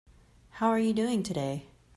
How are you doing today?